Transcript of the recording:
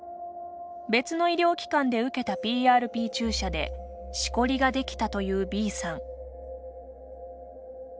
別の医療機関で受けたＰＲＰ注射でしこりができたというＢさん。